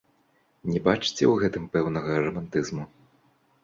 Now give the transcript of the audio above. Не бачыце ў гэтым пэўнага рамантызму?